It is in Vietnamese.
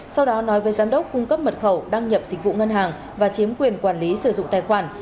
sau đó nói với giám đốc cung cấp mật khẩu đăng nhập dịch vụ ngân hàng và chiếm quyền quản lý sử dụng tài khoản